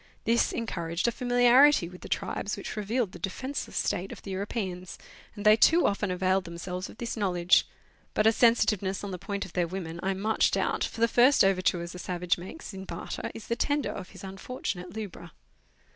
This encouraged a familiarity with the tribes, which revealed the defenceless state of the European, and they too often availed themselves of this knowledge ; but a sensitive ness on the point of their women I much doubt, for the first overtures a savage makes in barter is the tender of his unfortunate lubra.